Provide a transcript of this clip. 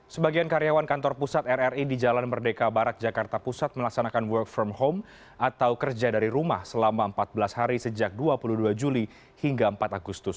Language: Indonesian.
sebagian karyawan kantor pusat rri di jalan merdeka barat jakarta pusat melaksanakan work from home atau kerja dari rumah selama empat belas hari sejak dua puluh dua juli hingga empat agustus